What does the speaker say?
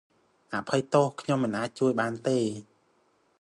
អភ័យទោស ខ្ញុំមិនអាចជួយបានទេ ។